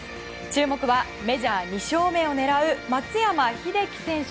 注目はメジャー２勝目を狙う松山英樹選手。